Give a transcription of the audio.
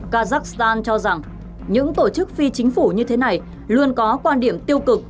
kazakhstan cho rằng những tổ chức phi chính phủ như thế này luôn có quan điểm tiêu cực